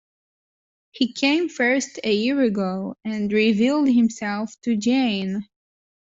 He came first a year ago, and revealed himself to Jeanne.